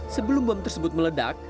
sebelum bom tersebut meledak